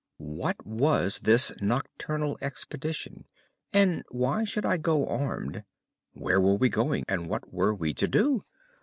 What was this nocturnal expedition, and why should I go armed? Where were we going, and what were we to do?